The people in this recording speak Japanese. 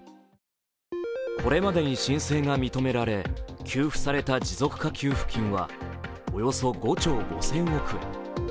これまでに申請が認められ給付された持続化給付金はおよそ５兆５０００億円。